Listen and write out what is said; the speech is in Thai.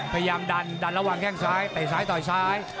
พยายามดันดันระหว่างแข้งซ้ายเตะซ้ายต่อยซ้าย